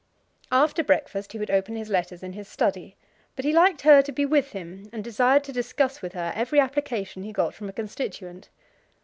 After breakfast he would open his letters in his study, but he liked her to be with him, and desired to discuss with her every application he got from a constituent.